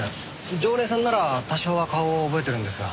常連さんなら多少は顔を覚えてるんですが。